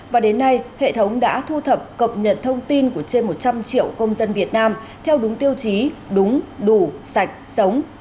và đến nay hệ thống đã thu thập cập nhật thông tin của trên một trăm linh triệu công dân việt nam theo đúng tiêu chí đúng đủ sạch sống